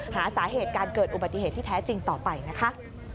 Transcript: หาสาเหตุการเกิดอุบัติเหตุที่แท้จริงต่อไปนะคะ